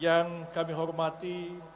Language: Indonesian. yang kami hormati